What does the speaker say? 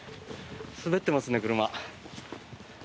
滑ってますね、車。